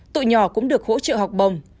tụi nhỏ cũng được hỗ trợ học bồng